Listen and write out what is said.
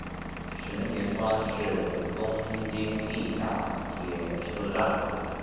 神田川是东京地下铁车站。